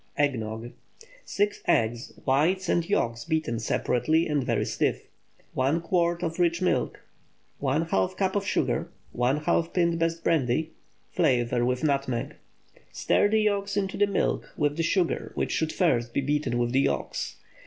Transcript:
EGG NOGG. ✠ 6 eggs—whites and yolks beaten separately and very stiff. 1 quart rich milk. ½ cup of sugar. ½ pint best brandy. Flavor with nutmeg. Stir the yolks into the milk with the sugar, which should first be beaten with the yolks.